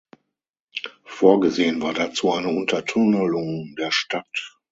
Vorgesehen war dazu eine Untertunnelung der Stadt.